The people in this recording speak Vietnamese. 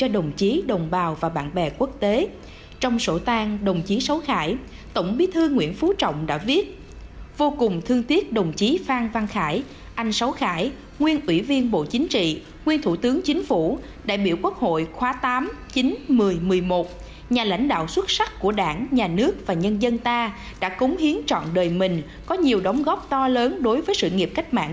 đồng chí nguyễn minh triết nguyên ủy viên bộ chính trị nguyên chủ tịch nước cộng hòa xã hội chủ nghĩa việt nam